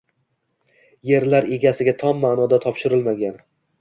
yerlar egasiga tom ma’noda topshirilmagan